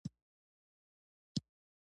اګسټاس پلار یې یوناني او مور یې مصري وه.